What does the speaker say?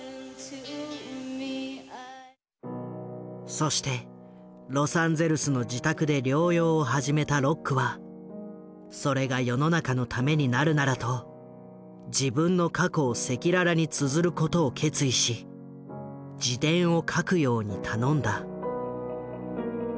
そしてロサンゼルスの自宅で療養を始めたロックはそれが世の中のためになるならと自分の過去を赤裸々につづることを決意し自伝を書くように頼んだ。